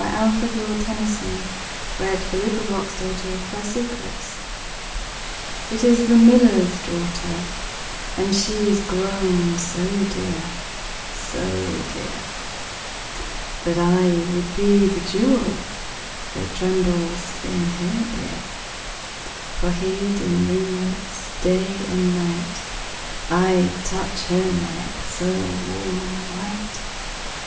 Alfred Tennyson, Lord Tennyson. 1809–1892 701. The Miller's Daughter IT is the miller's daughter, And she is grown so dear, so dear, That I would be the jewel That trembles in her ear: For hid in ringlets day and night, 5 I'd touch her neck so warm and white.